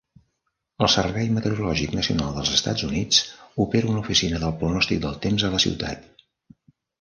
El Servei Meteorològic Nacional dels Estats Units opera una oficina del pronòstic del temps a la ciutat.